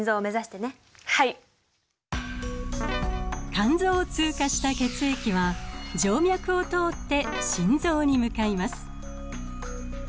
肝臓を通過した血液は静脈を通って心臓に向かいます。